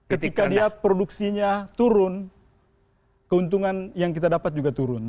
ketika dia produksinya turun keuntungan yang kita dapat juga turun